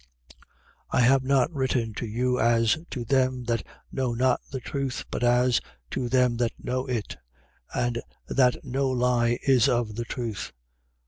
I have not written to you as to them that know not the truth, but as to them that know it: and that no lie is of the truth.